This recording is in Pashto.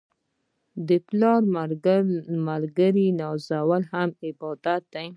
د پلار ملګري نازول هم عبادت دی.